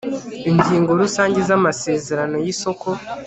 ingingo rusange z amasezerano y isoko